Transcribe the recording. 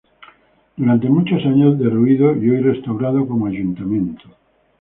Durante muchos años derruido y hoy restaurado como Ayuntamiento.